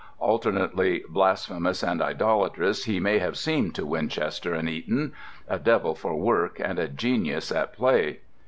Alternately blasphemous and idolatrous he may have seemed to Winchester and Eton: a devil for work and a genius at play.